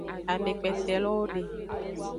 Amekpetelowo de.